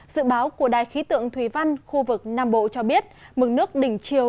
dự báo của đài khí tượng thủy văn khu vực nam bộ cho biết mực nước đỉnh chiều